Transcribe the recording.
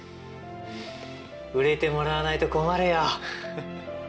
売れてもらわないと困るよ